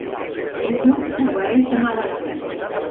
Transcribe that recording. Pullo obeeix de mala gana.